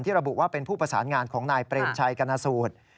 ระบุว่าเป็นผู้ประสานงานของนายเปรมชัยกรณสูตร